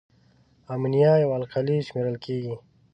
امونیا یوه القلي شمیرل کیږي.